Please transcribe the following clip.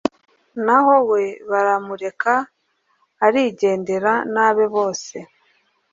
naho we baramureka arigendera n'abe bose